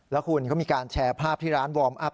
แล้วคุณเขามีการแชร์ภาพที่ร้านวอร์มอัพ